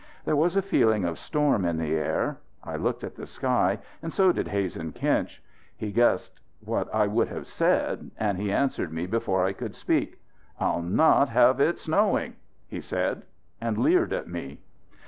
There was a feeling of storm in the air. I looked at the sky and so did Hazen Kinch. He guessed what I would have said and he answered me before I could speak. "I'll not have it snowing," he said, and leered at me.